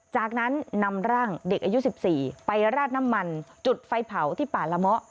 จากนั้นนำร่างเด็กอายุ๑๔ไปราดน้ำมันจุดไฟเผาที่ป่าละเมาะ